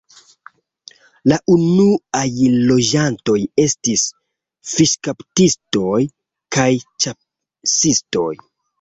La unuaj loĝantoj estis fiŝkaptistoj kaj ĉasistoj.